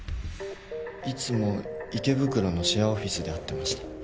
いつも池袋のシェアオフィスで会ってました